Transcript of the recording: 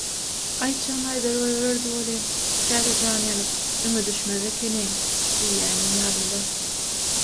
aýtjagyny aýdar goýbererdi welin, käte jany ýanyp «Üme düşmez ekeniň» diýýänem ýadymda.